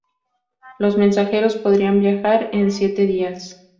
Los mensajeros podrían viajar en siete días.